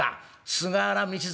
菅原道真